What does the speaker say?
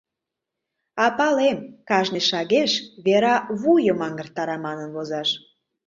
А, палем: кажне шагеш «вера вуйым аҥыртара» манын возаш...